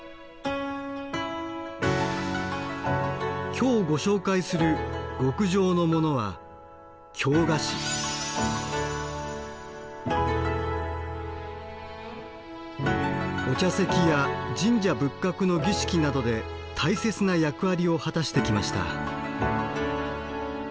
今日ご紹介する極上のモノはお茶席や神社仏閣の儀式などで大切な役割を果たしてきました。